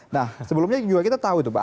nah sebelumnya juga kita tahu itu pak